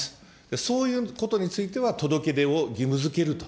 そういうことについては、届け出を義務づけると。